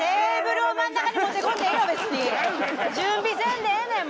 準備せんでええねん！